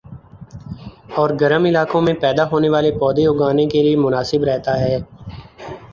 اور گرم علاقوں میں پیدا ہونے والے پودے اگانے کیلئے مناسب رہتا ہے